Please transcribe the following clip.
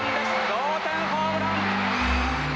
同点ホームラン。